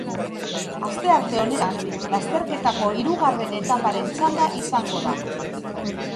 Astearte honetan, lasterketako hirugarren etaparen txanda izango da.